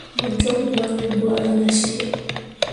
Mo joŋ gwari gwari nah cii.